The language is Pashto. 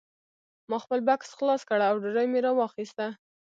ما خپل بکس خلاص کړ او ډوډۍ مې راواخیسته